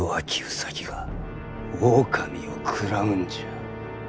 兎が狼を食らうんじゃ。